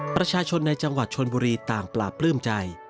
ประชาชนในจังหวัดชนบุรีต่างปลาปลื้มใจ